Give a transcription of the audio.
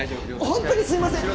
本当にすみません。